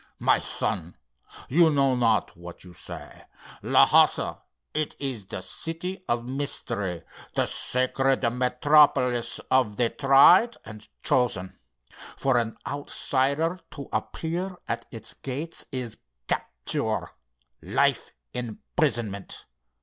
"My son, you know not what you say. Lhassa—it is the city of mystery, the sacred metropolis of the tried and chosen. For an outsider to appear at its gates is capture—life imprisonment.